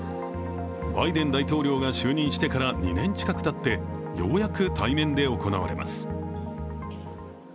バイデン大統領が就任してから２年近くたって、ようやく対面で行われます。